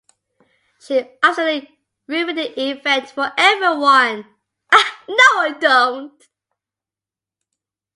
She absolutely ruined the event for everyone!